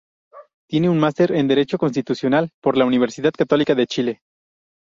Tiene un máster en derecho constitucional por la Universidad Católica de Chile.